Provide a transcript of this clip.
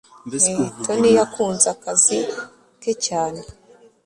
tony yakunze akazi ke cyane